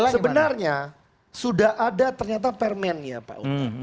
sebenarnya sudah ada ternyata permennya pak utang